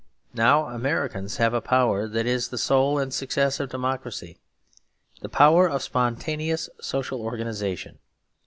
Now Americans have a power that is the soul and success of democracy, the power of spontaneous social organisation.